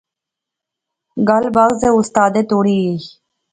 گل بعضے استادیں توڑی گئی